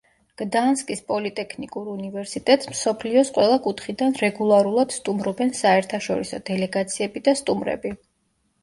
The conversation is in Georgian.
გდანსკის პოლიტექნიკურ უნივერსიტეტს მსოფლიოს ყველა კუთხიდან რეგულარულად სტუმრობენ საერთაშორისო დელეგაციები და სტუმრები.